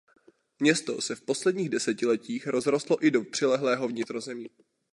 Město se v posledních desetiletích rozrostlo i do přilehlého vnitrozemí.